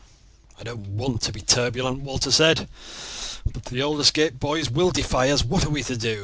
"I don't want to be turbulent," Walter said; "but if the Aldersgate boys will defy us, what are we to do?